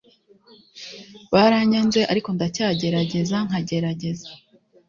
baranyanze, ariko ndacyagerageza nkagerageza.